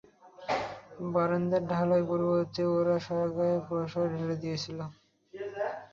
বারান্দায় ঢালার পরিবর্তে ওর সারা গায়ে প্রসাদ ঢেলে দিয়েছিস।